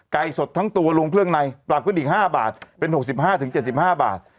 สดทั้งตัวลงเครื่องในปรับขึ้นอีก๕บาทเป็น๖๕๗๕บาท